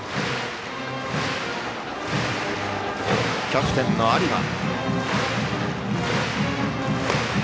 キャプテンの有馬。